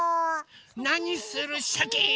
なにするシャキーン。